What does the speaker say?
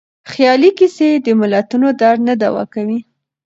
خیالي کيسې د ملتونو درد نه دوا کوي.